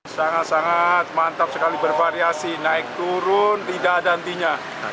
sangat sangat mantap sekali bervariasi naik turun tidak ada hentinya